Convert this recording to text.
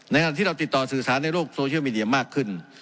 ขณะที่เราติดต่อสื่อสารในโลกโซเชียลมีเดียมากขึ้น